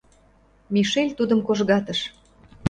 — Мишель тудым кожгатыш.